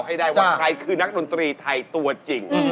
ให้ได้ว่าใครคือนักดนตรีไทยตัวจริง